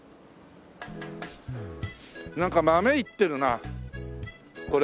なんか豆煎ってるなこれ。